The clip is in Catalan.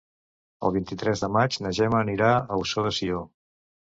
El vint-i-tres de maig na Gemma anirà a Ossó de Sió.